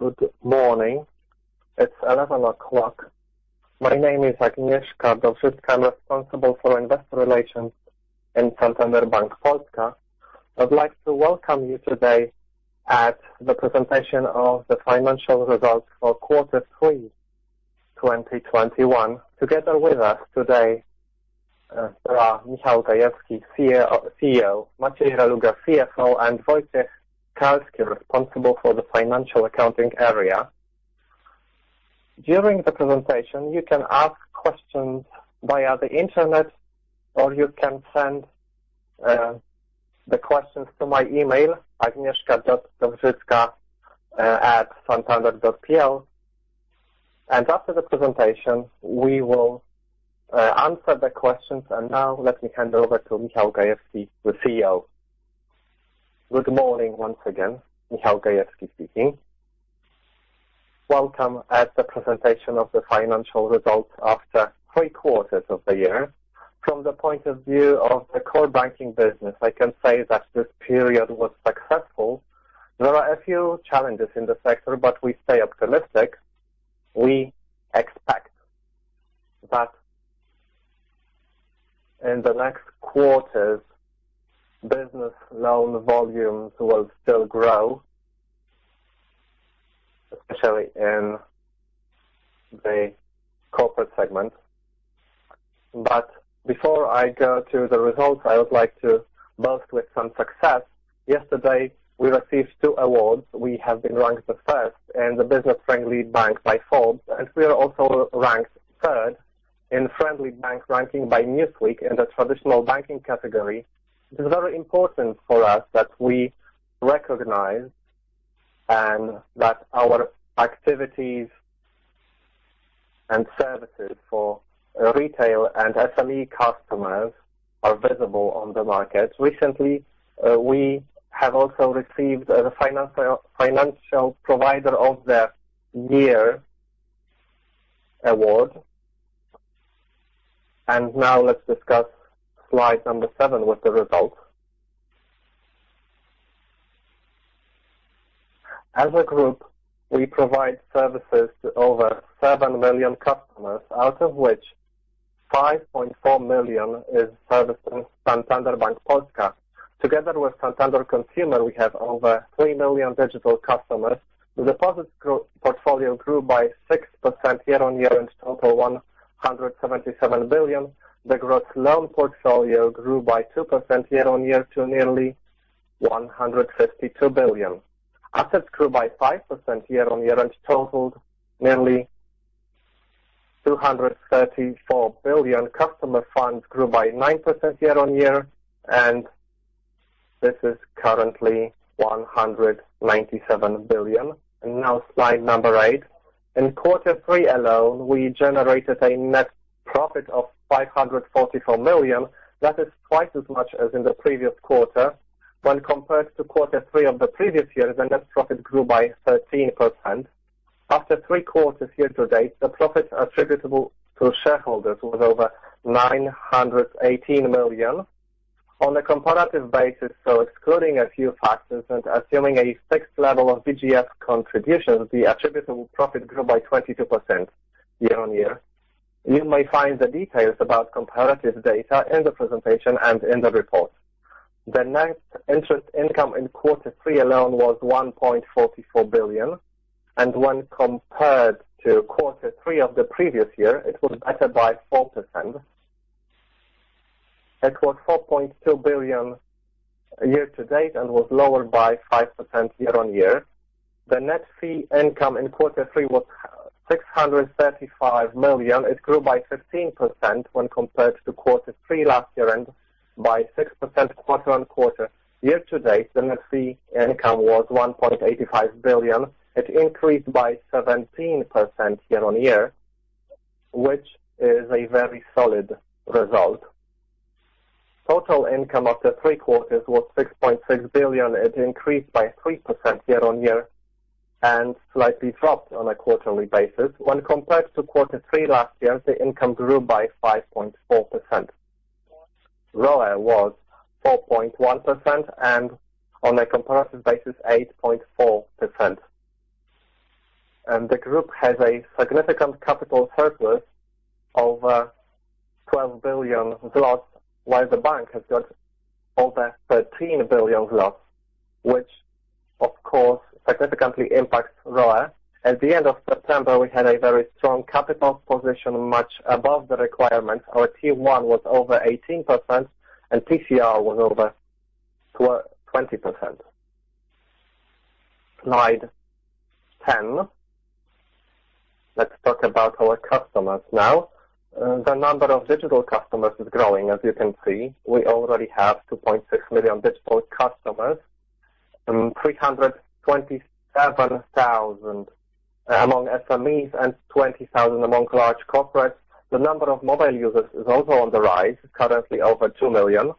Good morning. It's 11:00 A.M. My name is Agnieszka Dowżycka. I'm responsible for investor relations in Santander Bank Polska. I'd like to welcome you today at the presentation of the financial results for Q3 2021. Together with us today are Michał Gajewski, CEO, Maciej Reluga, CFO, and Wojciech Skalski, responsible for the financial accounting area. During the presentation, you can ask questions via the Internet or you can send the questions to my email, agnieszka.dowzycka@santander.pl. After the presentation, we will answer the questions. Now let me hand over to Michał Gajewski, the CEO. Good morning once again. Michał Gajewski speaking. Welcome to the presentation of the financial results after three quarters of the year. From the point of view of the core banking business, I can say that this period was successful. There are a few challenges in the sector, but we stay optimistic. We expect that in the next quarters, business loan volumes will still grow, especially in the corporate segment. Before I go to the results, I would like to boast with some success. Yesterday, we received two awards. We have been ranked the first in the Business Friendly Bank by Forbes, and we are also ranked third in Friendly Bank ranking by Newsweek in the traditional banking category. This is very important for us that we recognize and that our activities and services for retail and SME customers are visible on the market. Recently, we have also received the Financial Provider of the Year award. Now let's discuss slide number seven with the results. As a group, we provide services to over 7 million customers, out of which 5.4 million is serviced in Santander Bank Polska. Together with Santander Consumer, we have over 3 million digital customers. The deposits portfolio grew by 6% year-on-year and total 177 billion. The gross loan portfolio grew by 2% year-on-year to nearly 152 billion. Assets grew by 5% year-on-year and totaled nearly 234 billion. Customer funds grew by 9% year-on-year, and this is currently 197 billion. Now slide 8. In quarter three alone, we generated a net profit of 544 million. That is twice as much as in the previous quarter. When compared to quarter three of the previous year, the net profit grew by 13%. After 3 quarters year-to-date, the profit attributable to shareholders was over 918 million. On a comparative basis, so excluding a few factors and assuming a fixed level of BFG contributions, the attributable profit grew by 22% year-over-year. You may find the details about comparative data in the presentation and in the report. The net interest income in quarter three alone was 1.44 billion, and when compared to quarter three of the previous year, it was better by 4%. It was 4.2 billion year-to-date and was lower by 5% year-over-year. The net fee income in quarter three was 635 million. It grew by 15% when compared to quarter three last year and by 6% quarter-over-quarter. Year-to-date, the net fee income was 1.85 billion. It increased by 17% year-over-year, which is a very solid result. Total income after three quarters was 6.6 billion. It increased by 3% year-over-year and slightly dropped on a quarterly basis. When compared to quarter three last year, the income grew by 5.4%. ROE was 4.1% and on a comparative basis, 8.4%. The group has a significant capital surplus of 12 billion zlotys, while the bank has got over 13 billion zlotys, which of course significantly impacts ROE. At the end of September, we had a very strong capital position much above the requirement. Our Tier 1 was over 18% and TCR was over twenty percent. Slide 10. Let's talk about our customers now. The number of digital customers is growing. As you can see, we already have 2.6 million digital customers, and 327,000 among SMEs and 20,000 among large corporates. The number of mobile users is also on the rise, currently over 2 million.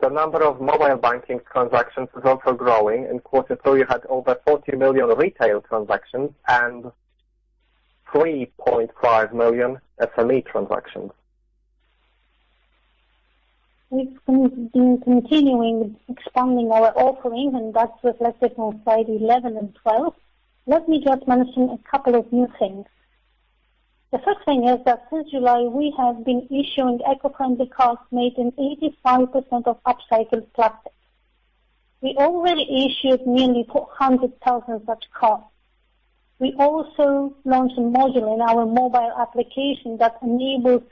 The number of mobile banking transactions is also growing. In quarter three, we had over 40 million retail transactions and 3.5 million SME transactions. We've been continuing expanding our offerings and that's reflected on slide 11 and 12. Let me just mention a couple of new things. The first thing is that since July we have been issuing eco-friendly cards made in 85% of upcycled plastic. We already issued nearly 400,000 such cards. We also launched a module in our mobile application that enables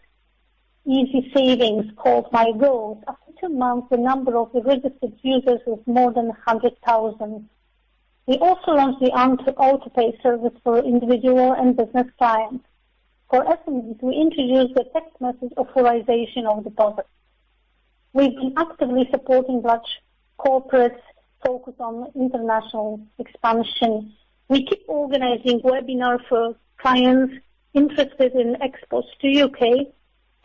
easy savings called My Goals. After two months, the number of registered users was more than 100,000. We also launched the Autopay service for individual and business clients. For SMEs, we introduced the text message authorization of deposits. We've been actively supporting large corporates focused on international expansion. We keep organizing webinar for clients interested in exports to U.K. and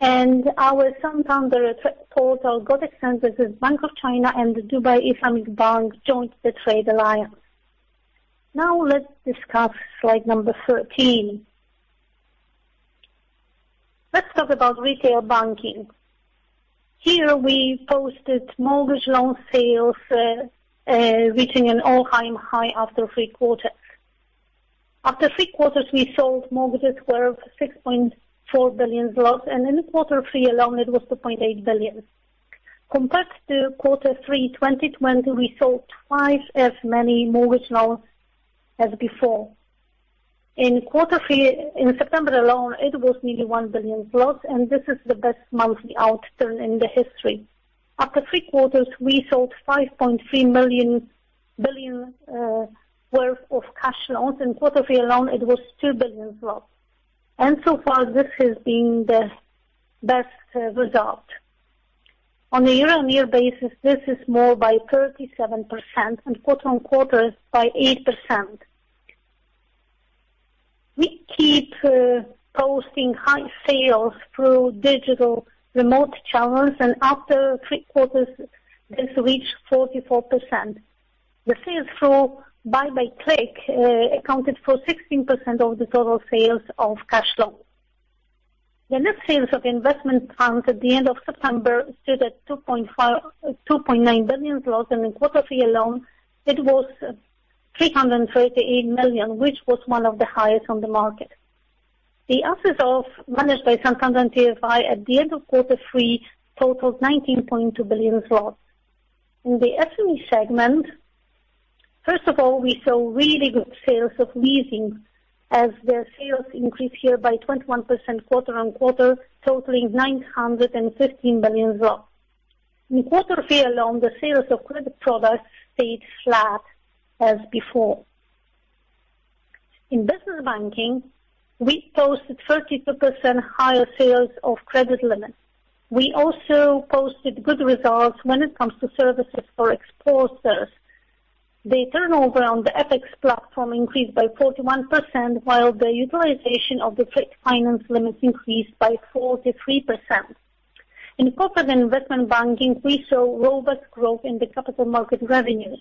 our Santander portal got extended with Bank of China and Dubai Islamic Bank joined the trade alliance. Now let's discuss slide number 13. Let's talk about retail banking. Here we posted mortgage loan sales reaching an all-time high after three quarters. After three quarters, we sold mortgages worth 6.4 billion, and in quarter three alone it was 2.8 billion. Compared to quarter three, 2020, we sold twice as many mortgage loans as before. In September alone, it was nearly 1 billion, and this is the best monthly outturn in the history. After three quarters, we sold 5.3 billion worth of cash loans. In quarter three alone it was 2 billion. So far this has been the best result. On a year-on-year basis, this is more by 37% and quarter-on-quarter it's by 8%. We keep posting high sales through digital remote channels and after three quarters this reached 44%. The sales through buy by click accounted for 16% of the total sales of cash loans. The net sales of investment funds at the end of September stood at 2.9 billion and in quarter three alone it was 338 million, which was one of the highest on the market. The assets managed by Santander TFI at the end of quarter three totaled 19.2 billion zlotys. In the SME segment, first of all, we saw really good sales of leasing as their sales increased here by 21% quarter-on-quarter, totaling 915 million zloty. In quarter three alone, the sales of credit products stayed flat as before. In business banking, we posted 32% higher sales of credit limits. We also posted good results when it comes to services for exporters. The turnover on the FX platform increased by 41%, while the utilization of the trade finance limits increased by 43%. In corporate and investment banking, we saw robust growth in the capital market revenues.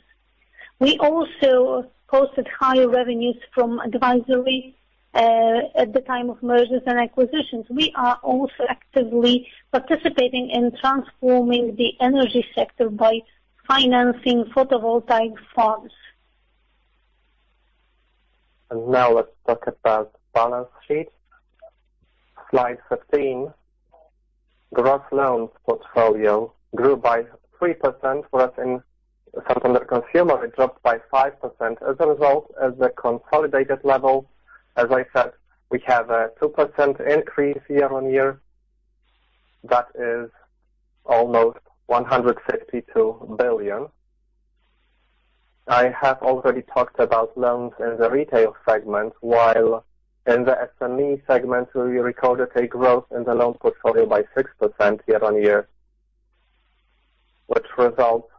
We also posted higher revenues from advisory at the time of mergers and acquisitions. We are also actively participating in transforming the energy sector by financing photovoltaic farms. Now let's talk about balance sheet. Slide 15. Gross loans portfolio grew by 3%, whereas in Santander Consumer Bank it dropped by 5% as a result. At the consolidated level, as I said, we have a 2% increase year-on-year. That is almost 152 billion. I have already talked about loans in the retail segment, while in the SME segment we recorded a growth in the loan portfolio by 6% year-on-year, which results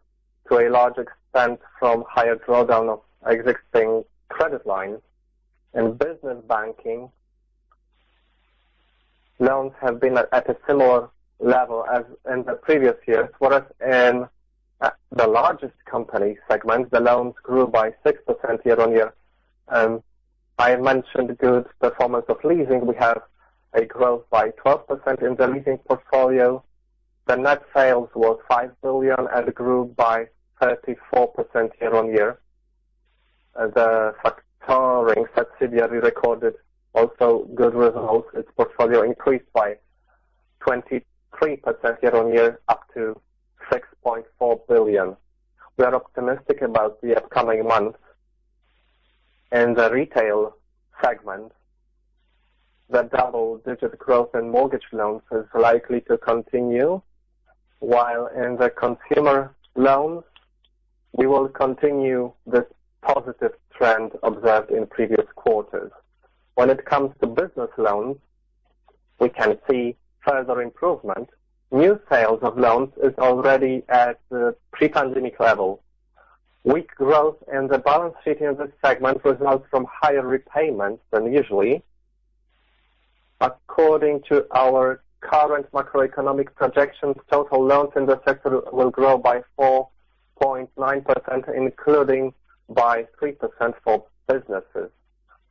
from a large extent from higher drawdown of existing credit lines. In business banking, loans have been at a similar level as in the previous years, whereas in the largest company segment, the loans grew by 6% year-on-year. I mentioned good performance of leasing. We have a growth by 12% in the leasing portfolio. The net sales was 5 billion and grew by 34% year-on-year. The factoring subsidiary recorded also good results. Its portfolio increased by 23% year-on-year up to 6.4 billion. We are optimistic about the upcoming months. In the retail segment, the double-digit growth in mortgage loans is likely to continue, while in the consumer loans, we will continue this positive trend observed in previous quarters. When it comes to business loans, we can see further improvement. New sales of loans is already at pre-pandemic levels. Weak growth in the balance sheet in this segment results from higher repayments than usually. According to our current macroeconomic projections, total loans in the sector will grow by 4.9%, including by 3% for businesses.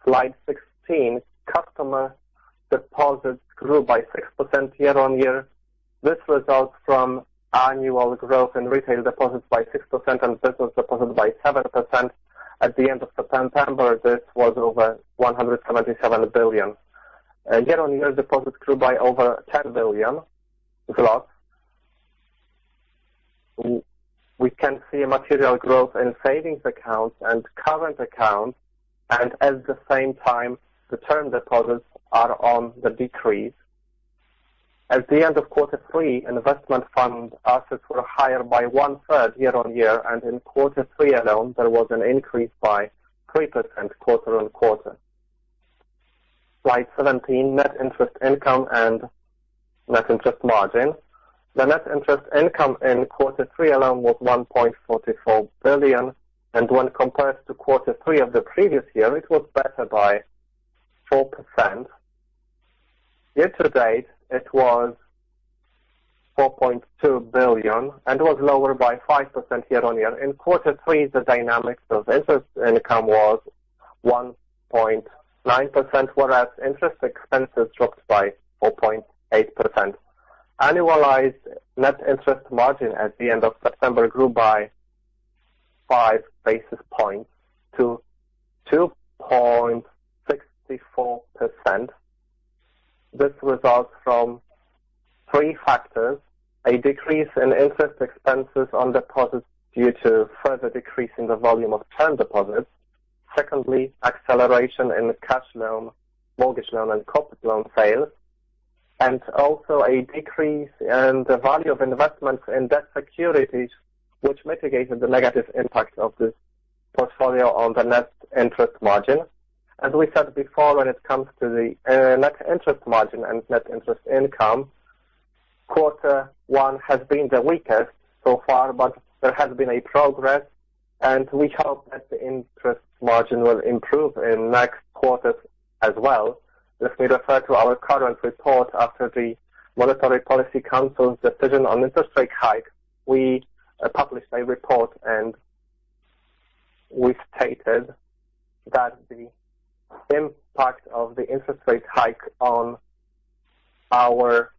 Slide 16. Customer deposits grew by 6% year-on-year. This results from annual growth in retail deposits by 6% and business deposit by 7%. At the end of September, this was over 177 billion. Year-on-year deposits grew by over 10 billion. We can see a material growth in savings accounts and current accounts, and at the same time, the term deposits are on the decrease. At the end of quarter three, investment fund assets were higher by 1/3 year-on-year, and in quarter three alone, there was an increase by 3% quarter-on-quarter. Slide 17, net interest income and net interest margin. The net interest income in quarter three alone was 1.44 billion. When compared to quarter three of the previous year, it was better by 4%. Year to date, it was 4.2 billion and was lower by 5% year-on-year. In quarter three, the dynamics of interest income was 1.9%, whereas interest expenses dropped by 4.8%. Annualized net interest margin at the end of September grew by 5 basis points to 2.64%. This results from three factors. A decrease in interest expenses on deposits due to further decrease in the volume of term deposits. Secondly, acceleration in cash loan, mortgage loan, and corporate loan sales. Also a decrease in the value of investments in debt securities, which mitigated the negative impact of this portfolio on the net interest margin. We said before, when it comes to the net interest margin and net interest income, quarter one has been the weakest so far, but there has been a progress, and we hope that the interest margin will improve in next quarters as well. Let me refer to our current report after the Monetary Policy Council's decision on interest rate hike. We published a report, and we stated that the impact of the interest rate hike on our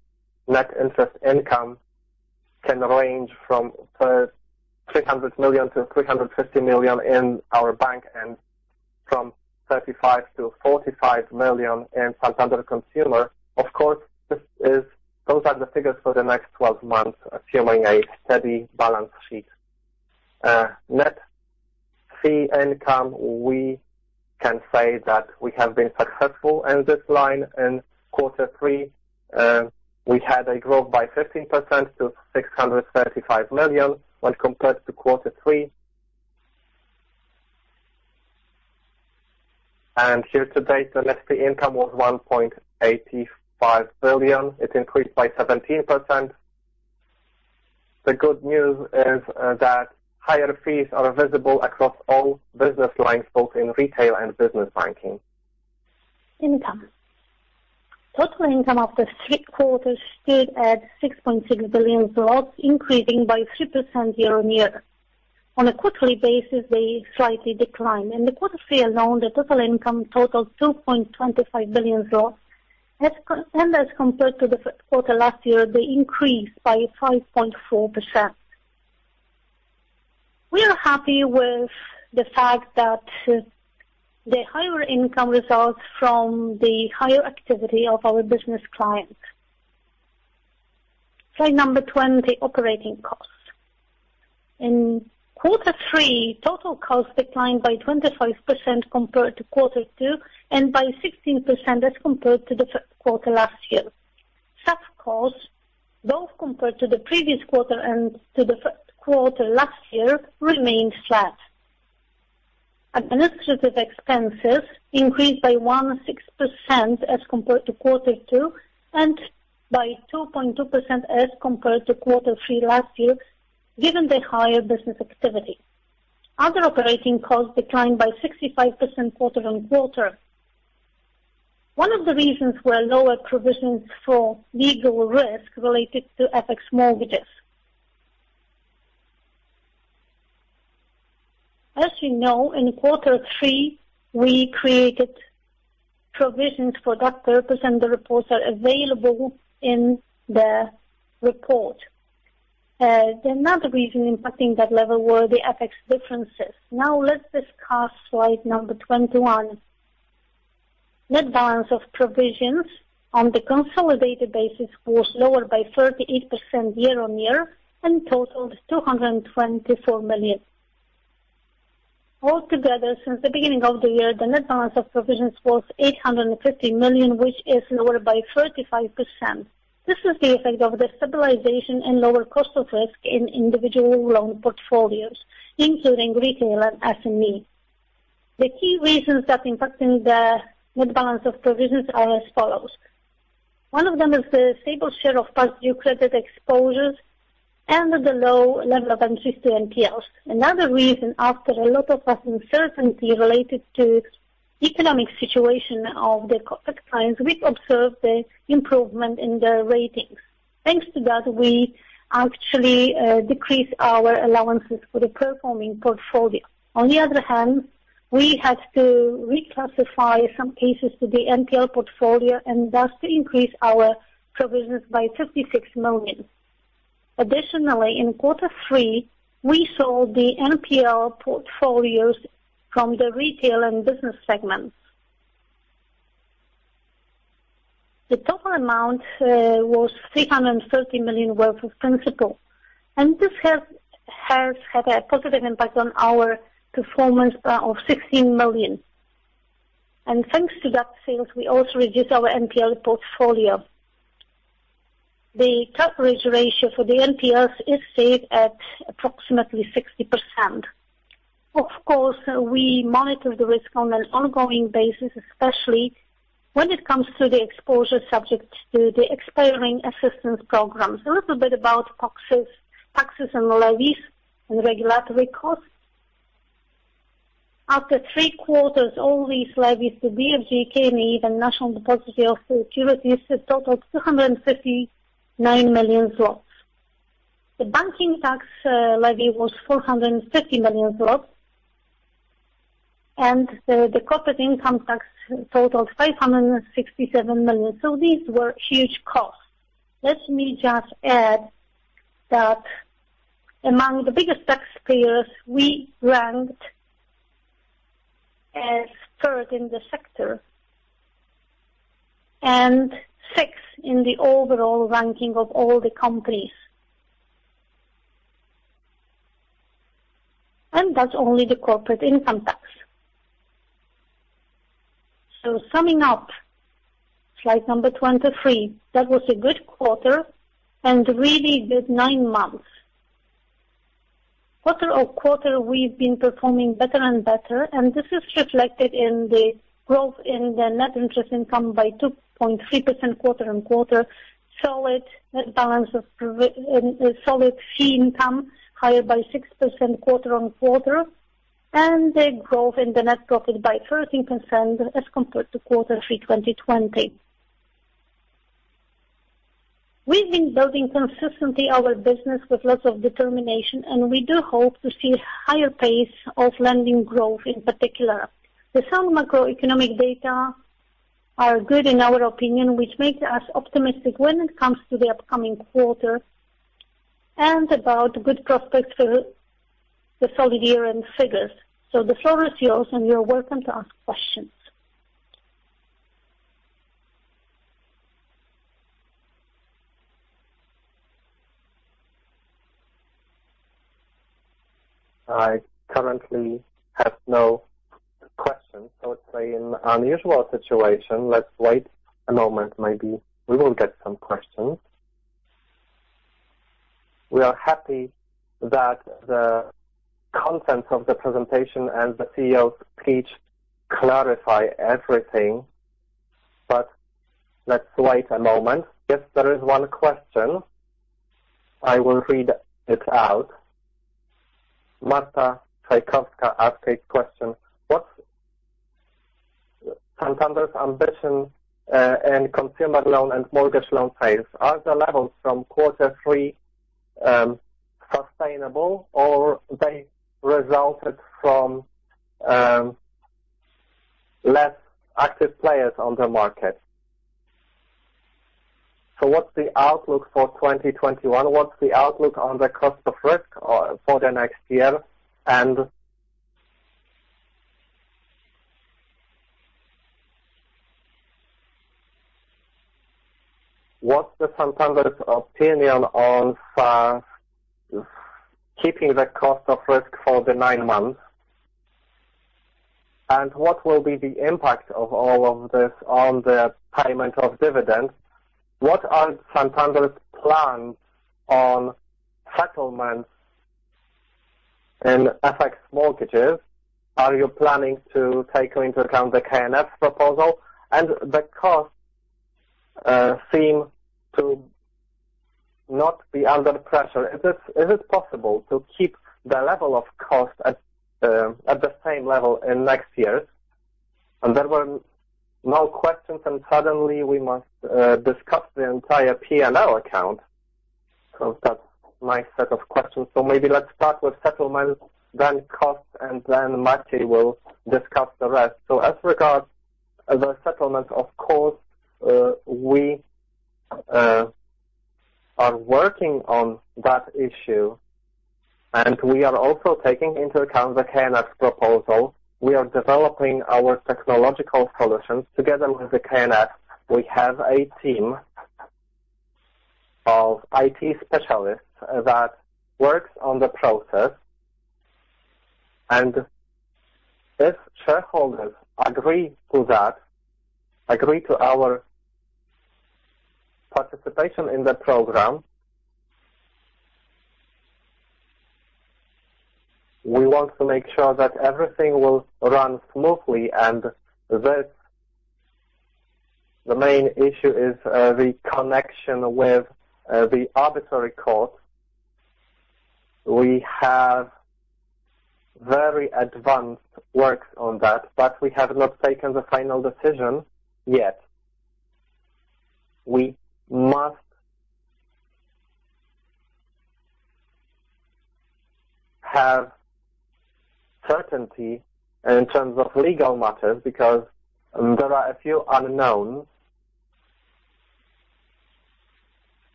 net interest income can range from 300 million-350 million in our bank and from 35 million-45 million in Santander Consumer. Of course, those are the figures for the next 12 months, assuming a steady balance sheet. Net fee income, we can say that we have been successful in this line. In quarter three, we had a growth by 15% to 635 million when compared to quarter three. Year to date, the net fee income was 1.85 billion. It increased by 17%. The good news is that higher fees are visible across all business lines, both in retail and business banking. Income. Total income after three quarters stood at 6.6 billion, increasing by 3% year-on-year. On a quarterly basis, they slightly decline. In the quarter three alone, the total income totaled PLN 2.25 billion. As compared to the quarter last year, they increased by 5.4%. We are happy with the fact that the higher income results from the higher activity of our business clients. Slide number 20, operating costs. In quarter three, total costs declined by 25% compared to quarter two and by 16% as compared to the quarter last year. Staff costs, both compared to the previous quarter and to the quarter last year, remained flat. Administrative expenses increased by 16% as compared to quarter two and by 2.2% as compared to quarter three last year, given the higher business activity. Other operating costs declined by 65% quarter-on-quarter. One of the reasons were lower provisions for legal risk related to FX mortgages. As you know, in quarter three, we created provisions for that purpose, and the reports are available in the report. Another reason impacting that level were the FX differences. Now let's discuss slide 21. Net balance of provisions on the consolidated basis was lower by 38% year-on-year and totaled 224 million. All together, since the beginning of the year, the net balance of provisions was 850 million, which is lower by 35%. This is the effect of the stabilization and lower cost of risk in individual loan portfolios, including retail and SME. The key reasons that impacting the net balance of provisions are as follows. One of them is the stable share of past due credit exposures. The low level of entries to NPLs. Another reason, after a lot of uncertainty related to economic situation of the corporate clients, we observed the improvement in their ratings. Thanks to that, we actually decreased our allowances for the performing portfolio. On the other hand, we had to reclassify some cases to the NPL portfolio and thus increase our provisions by 56 million. Additionally, in quarter three, we sold the NPL portfolios from the retail and business segments. The total amount was 330 million worth of principal, and this has had a positive impact on our performance of 16 million. Thanks to that sales, we also reduced our NPL portfolio. The coverage ratio for the NPLs stayed at approximately 60%. Of course, we monitor the risk on an ongoing basis, especially when it comes to the exposure subject to the expiring assistance programs. A little bit about taxes and levies and regulatory costs. After 3 quarters, all these levies, the BFG, KNF, even National Securities Depository, totaled 259 million zlotys. The banking tax levy was 450 million zlotys, and the corporate income tax totaled 567 million. These were huge costs. Let me just add that among the biggest taxpayers, we ranked as 3rd in the sector and 6th in the overall ranking of all the companies. That's only the corporate income tax. Summing up, slide number 23. That was a good quarter and really good 9 months. Quarter on quarter, we've been performing better and better, and this is reflected in the growth in the net interest income by 2.3% quarter-on-quarter. Solid fee income, higher by 6% quarter on quarter, and a growth in the net profit by 13% as compared to quarter three 2020. We've been building consistently our business with lots of determination, and we do hope to see higher pace of lending growth, in particular. The sound macroeconomic data are good in our opinion, which makes us optimistic when it comes to the upcoming quarter and about good prospects for the full year-end figures. The floor is yours, and you're welcome to ask questions. I currently have no questions. It's an unusual situation. Let's wait a moment. Maybe we will get some questions. We are happy that the content of the presentation and the CEO's speech clarify everything, but let's wait a moment. Yes, there is 1 question. I will read it out. Marta Czajkowska-Bałdyga asks this question: What's Santander's ambition in consumer loan and mortgage loan sales? Are the levels from quarter three sustainable, or they resulted from less active players on the market? What's the outlook for 2021? What's the outlook on the cost of risk for the next year? And what's Santander's opinion on keeping the cost of risk for the nine months? And what will be the impact of all of this on the payment of dividends? What are Santander's plans on settlements in FX mortgages? Are you planning to take into account the KNF proposal? The costs seem to not be under pressure. Is it possible to keep the level of cost at the same level in next years? There were no questions, and suddenly we must discuss the entire P&L account. That's my set of questions. Maybe let's start with settlements, then costs, and then Maciej will discuss the rest. As regards the settlement, of course, we are working on that issue, and we are also taking into account the KNF proposal. We are developing our technological solutions together with the KNF. We have a team of IT specialists that works on the process. If shareholders agree to our participation in the program, we want to make sure that everything will run smoothly, and the main issue is the connection with the arbitration costs. We have very advanced work on that, but we have not taken the final decision yet. We must have certainty in terms of legal matters because there are a few unknowns.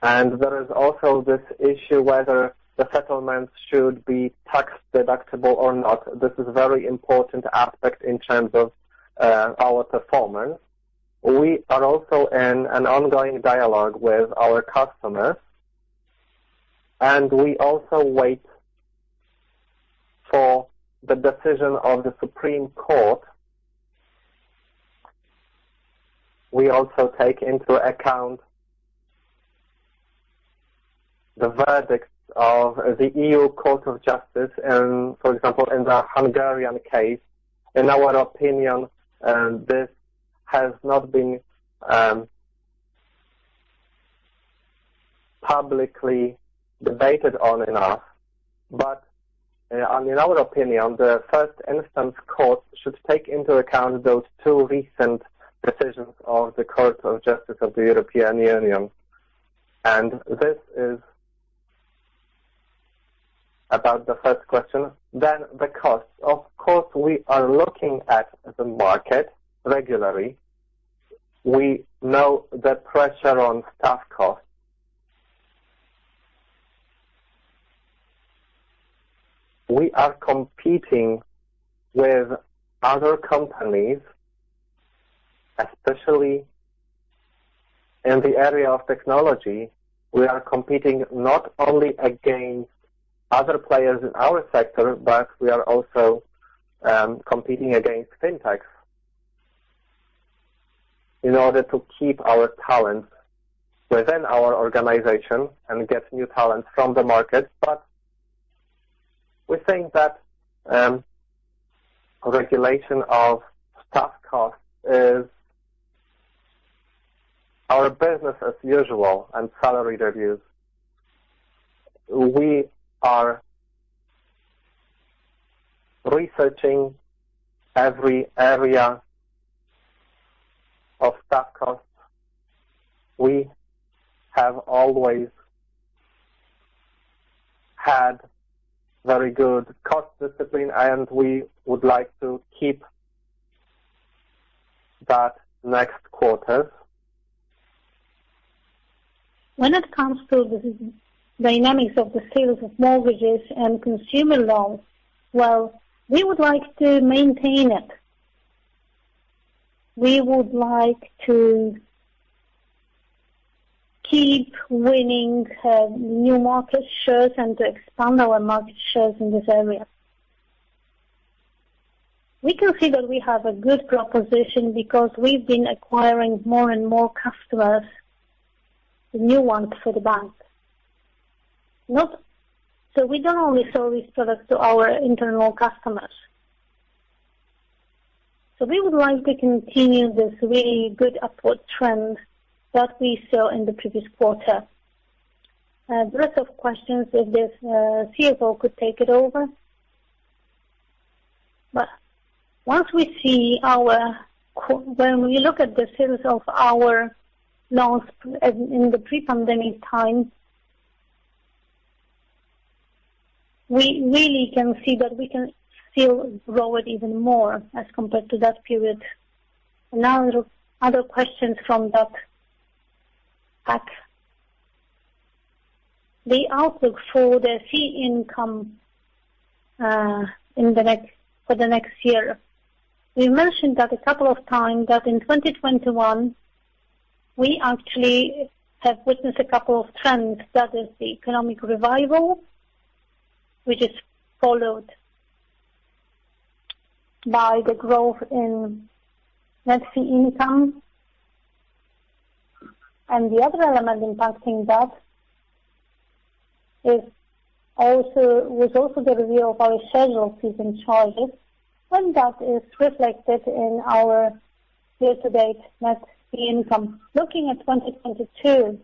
There is also this issue whether the settlements should be tax-deductible or not. This is a very important aspect in terms of our performance. We are also in an ongoing dialogue with our customers, and we wait for the decision of the Supreme Court. We also take into account the verdict of the EU Court of Justice, for example, in the Hungarian case. In our opinion, this has not been publicly debated enough. In our opinion, the first instance court should take into account those two recent decisions of the Court of Justice of the European Union. This is about the first question. The cost. Of course, we are looking at the market regularly. We know the pressure on staff costs. We are competing with other companies, especially in the area of technology. We are competing not only against other players in our sector, but we are also competing against fintechs in order to keep our talent within our organization and get new talent from the market. We think that regulation of staff cost is our business as usual and salary reviews. We are researching every area of staff costs. We have always had very good cost discipline, and we would like to keep that next quarters. When it comes to the dynamics of the sales of mortgages and consumer loans, well, we would like to maintain it. We would like to keep winning new market shares and to expand our market shares in this area. We can see that we have a good proposition because we've been acquiring more and more customers, new ones for the bank. We don't only sell these products to our internal customers. We would like to continue this really good upward trend that we saw in the previous quarter. The rest of questions, if this CFO could take it over. When we look at the sales of our loans in the pre-pandemic times, we really can see that we can still grow it even more as compared to that period. Now other questions from that. The outlook for the fee income in the next year. We mentioned that a couple of times that in 2021, we actually have witnessed a couple of trends. That is the economic revival, which is followed by the growth in net fee income. The other element impacting that was also the review of our schedule fees and charges. That is reflected in our year-to-date net fee income. Looking at 2022,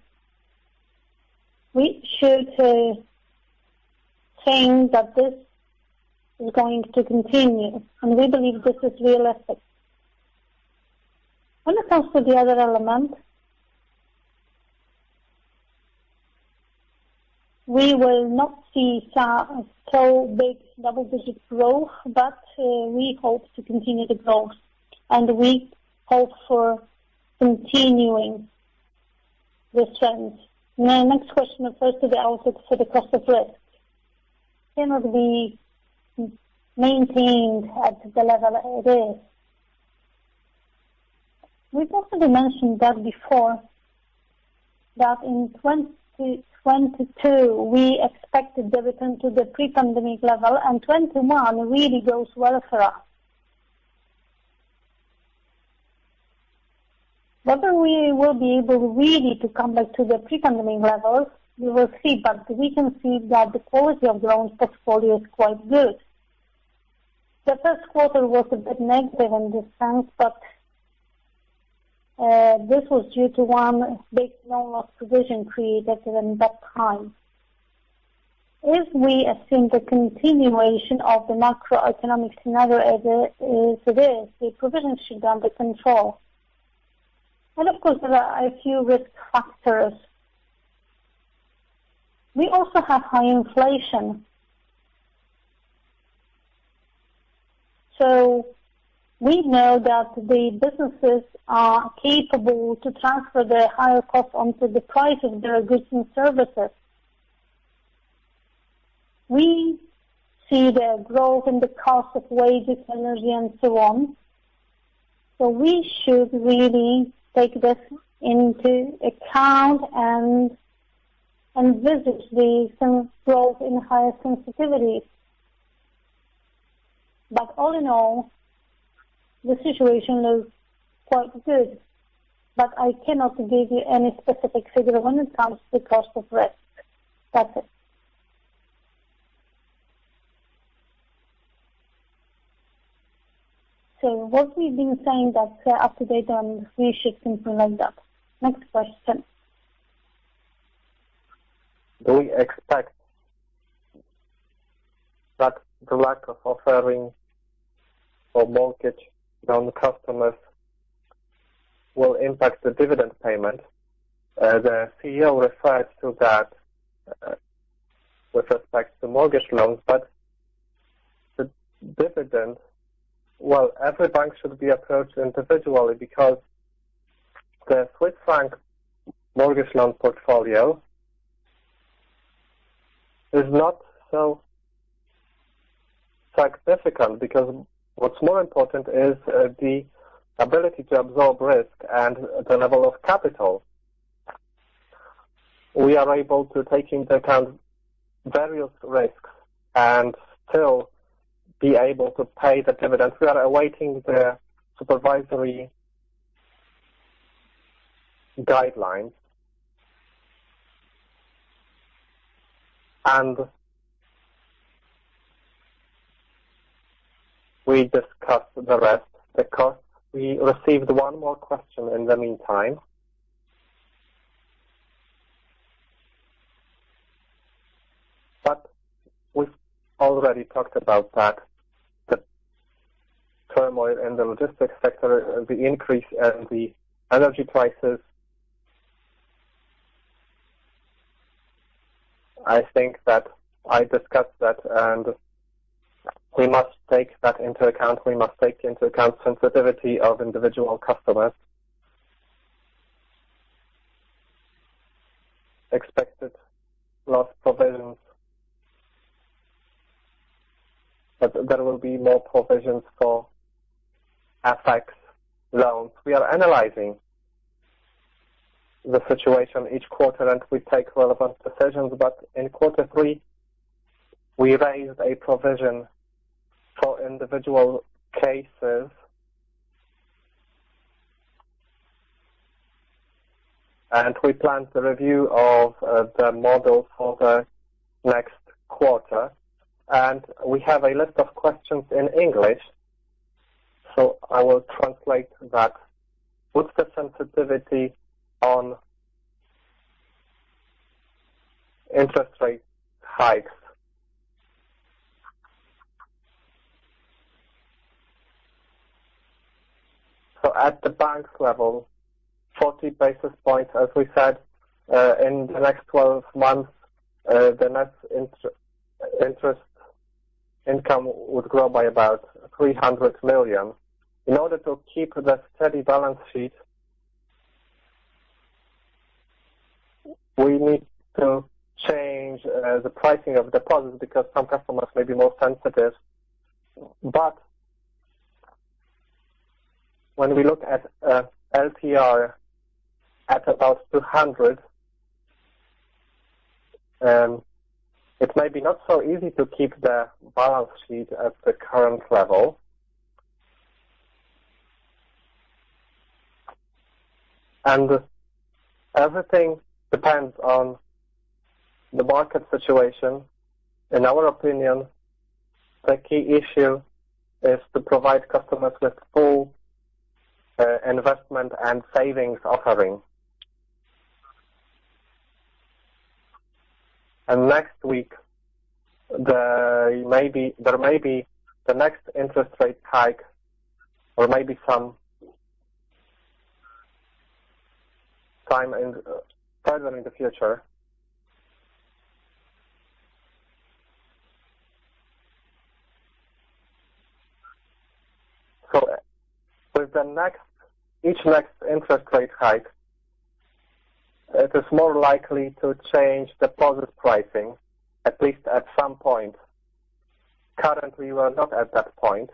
we should say that this is going to continue, and we believe this is realistic. When it comes to the other element, we will not see so big double-digit growth, but we hope to continue the growth, and we hope for continuing this trend. Now, next question refers to the outlook for the cost of risk. It cannot be maintained at the level it is. We've also mentioned that before that in 2022, we expected the return to the pre-pandemic level, and 2021 really goes well for us. Whether we will be able really to come back to the pre-pandemic level, we will see. We can see that the quality of loans portfolio is quite good. The first quarter was a bit negative in this sense, but this was due to one big loan loss provision created in that time. If we assume the continuation of the macroeconomic scenario as it is, the provision should be under control. Of course, there are a few risk factors. We also have high inflation. We know that the businesses are capable to transfer their higher cost onto the price of their goods and services. We see the growth in the cost of wages, energy, and so on. We should really take this into account and witness some growth in higher sensitivity. All in all, the situation looks quite good. I cannot give you any specific figure when it comes to cost of risk. That's it. What we've been saying that are up to date, and we should implement that. Next question. Do we expect that the lack of offering for mortgage loan customers will impact the dividend payment? The CEO refers to that, with respect to mortgage loans. The dividend, well, every bank should be approached individually because the Swiss franc mortgage loan portfolio is not so significant. What's more important is the ability to absorb risk and the level of capital. We are able to take into account various risks and still be able to pay the dividends. We are awaiting the supervisory guidelines. We discussed the rest. We received one more question in the meantime. We've already talked about that. The turmoil in the logistics sector, the increase in the energy prices. I think that I discussed that, and we must take that into account. We must take into account sensitivity of individual customers, expected loss provisions. That there will be more provisions for FX loans. We are analyzing the situation each quarter, and we take relevant decisions. In quarter three, we raised a provision for individual cases. We plan the review of the model for the next quarter. We have a list of questions in English, so I will translate that. What's the sensitivity on interest rate hikes? At the bank's level, 40 basis points. As we said, in the next 12 months, the net interest income would grow by about 300 million. In order to keep the steady balance sheet, we need to change the pricing of deposits because some customers may be more sensitive. When we look at WIBOR at about 200, it may be not so easy to keep the balance sheet at the current level. Everything depends on the market situation. In our opinion, the key issue is to provide customers with full investment and savings offering. Next week, there may be the next interest rate hike or maybe some time in further in the future. With each next interest rate hike, it is more likely to change deposit pricing, at least at some point. Currently, we are not at that point.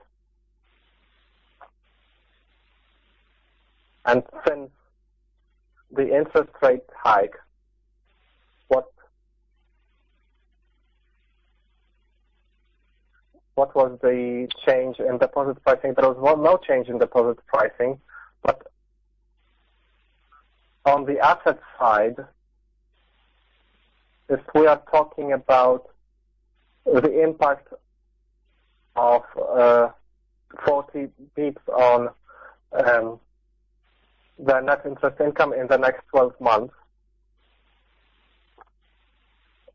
Since the interest rate hike, what was the change in deposit pricing? There was no change in deposit pricing. On the asset side, if we are talking about the impact of 40 basis points on the net interest income in the next 12 months,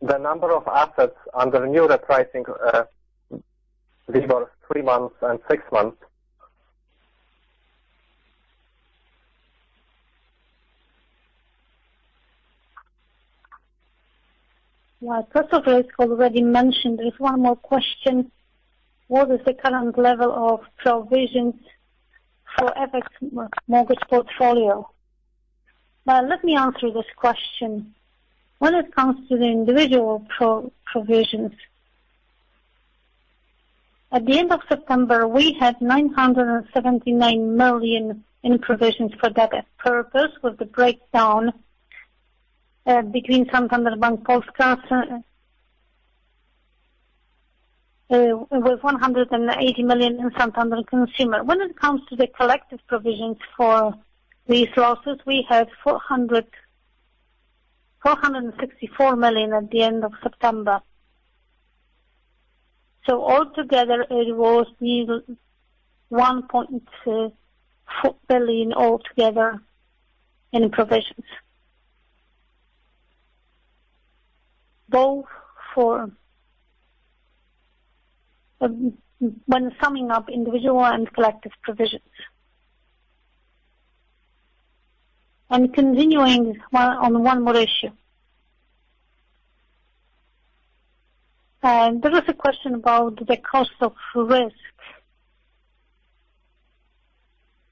the number of assets under the new repricing before 3 months and 6 months. Well, Krzysztof has already mentioned. There's one more question. What is the current level of provisions for FX mortgage portfolio? Well, let me answer this question. When it comes to the individual provisions, at the end of September, we had 979 million in provisions for that purpose, with the breakdown between Santander Bank Polska with 180 million in Santander Consumer. When it comes to the collective provisions for these losses, we had 464 million at the end of September. So all together, when summing up individual and collective provisions, it was nearly PLN 1.2 billion altogether in provisions. Continuing on one more issue. There is a question about the cost of risks.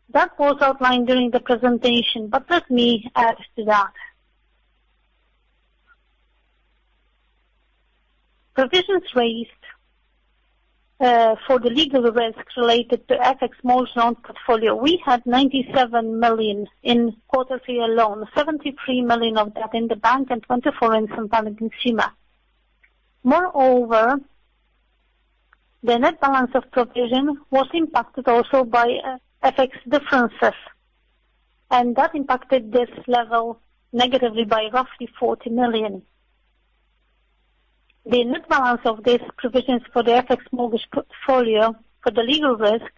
That was outlined during the presentation, but let me add to that. Provisions raised for the legal risks related to FX mortgage loan portfolio. We had 97 million in quarter three alone, 73 million of that in the bank and 24 million in Santander Consumer. Moreover, the net balance of provision was impacted also by FX differences, and that impacted this level negatively by roughly 40 million. The net balance of these provisions for the FX mortgage portfolio for the legal risk,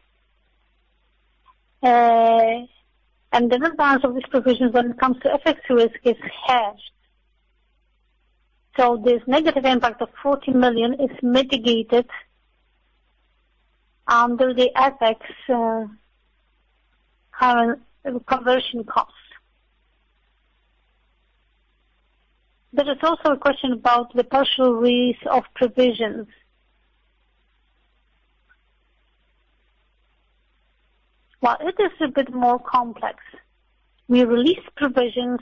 and the net balance of these provisions when it comes to FX risk is hedged. This negative impact of 40 million is mitigated under the FX current conversion costs. There is also a question about the partial release of provisions. Well, it is a bit more complex. We released provisions.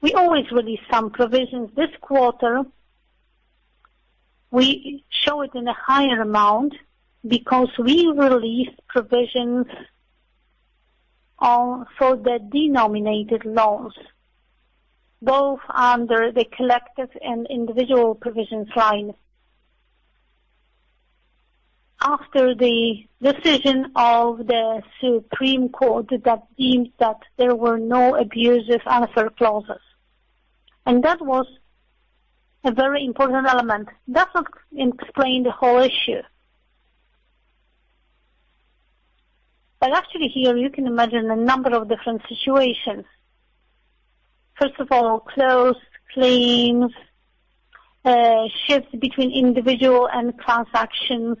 We always release some provisions. This quarter, we show it in a higher amount because we released provisions for the denominated loans, both under the collective and individual provisions line, after the decision of the Supreme Court that deemed that there were no abusive unfair clauses. That was a very important element. That explained the whole issue. Actually here you can imagine a number of different situations. First of all, closed claims, shifts between individual and transactions.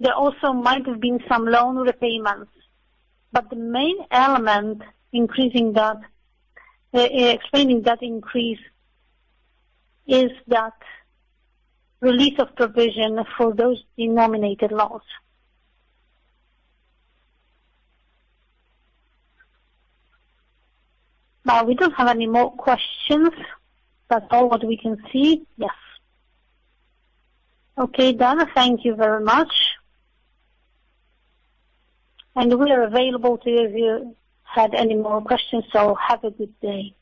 There also might have been some loan repayments. The main element increasing that, explaining that increase is that release of provision for those denominated loans. Now, we don't have any more questions. That's all what we can see. Yes. Okay, Dana, thank you very much. We are available to you if you had any more questions. Have a good day.